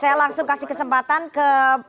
saya langsung kasih kesempatan ke